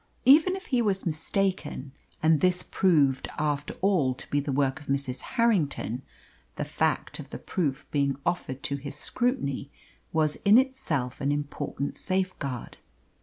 Even if he was mistaken, and this proved after all to be the work of Mrs. Harrington, the fact of the proof being offered to his scrutiny was in itself an important safeguard.